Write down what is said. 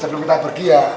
sebelum kita pergi ya